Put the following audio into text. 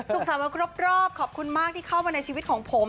สุขสาวะครบขอบคุณมากที่เข้ามาในชีวิตของผม